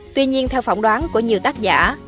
tuy nhiên theo phỏng đoán của nhiều tác giả